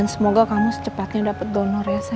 semoga kamu secepatnya dapat donor ya